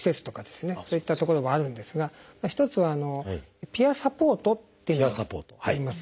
そういった所はあるんですが一つはピアサポートっていうのがあります。